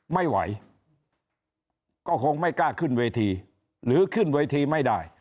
ไม่ไหวก็คงไม่กล้าขึ้นเวทีหรือขึ้นเวทีไม่ได้